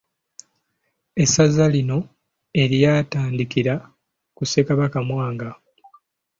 Essaza lino eryatandikira ku Ssekabaka Mwanga